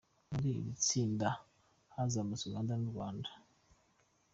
Muri iri tsinda hazamutse Uganda n’u Rwanda.